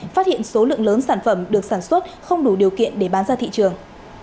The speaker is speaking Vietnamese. phát hiện số lượng lớn sản phẩm được sản xuất không đủ điều kiện để bán ra thị trường